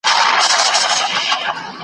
خو زه مړ یم د ژوندیو برخه خورمه .